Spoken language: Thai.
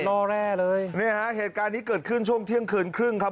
ล่อแร่เลยเนี่ยฮะเหตุการณ์นี้เกิดขึ้นช่วงเที่ยงคืนครึ่งครับ